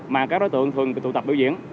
mà các đối tượng thường tụ tập biểu diễn